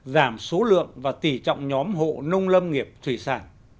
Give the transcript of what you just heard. giảm số lượng và tỉ trọng nhóm hộ nông lâm nghiệp thủy sản